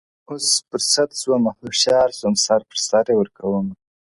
• اوس پر سد سومه هوښیار سوم سر پر سر يې ورکومه..